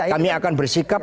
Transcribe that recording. kami akan bersikap